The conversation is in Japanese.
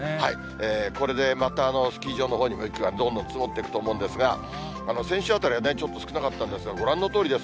これで、またスキー場のほうにも、雪がどんどん積もっていくと思うんですが、先週あたりはね、ちょっと少なかったんですが、ご覧のとおりです。